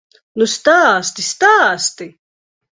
Nu stāsti, stāsti!